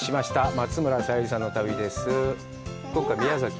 松村沙友理さんの旅です。